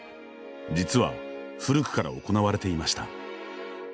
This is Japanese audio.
実は古くから行われていました。